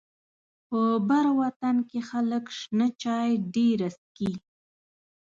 په بر وطن کې خلک شنه چای ډيره څکي.